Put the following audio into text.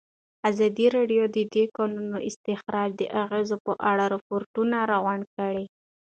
ازادي راډیو د د کانونو استخراج د اغېزو په اړه ریپوټونه راغونډ کړي.